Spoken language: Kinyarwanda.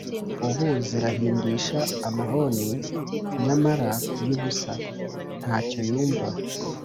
Ubu zirahindisha amahoni Nyamara y'ubusa, nta cyo yumva!